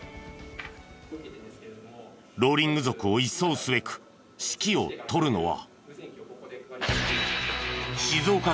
ローリング族を一掃すべく指揮を執るのは。